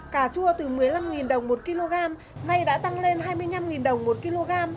cà chua từ một mươi năm đồng một kg nay đã tăng lên hai mươi năm đồng một kg